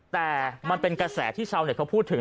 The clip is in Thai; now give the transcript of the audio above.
แต่มันเป็นกระแสที่ชาวเน็ตเขาพูดถึง